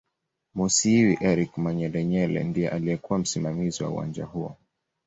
Musiiwa Eric Manyelenyele ndiye aliyekuw msimamizi wa uwanja huo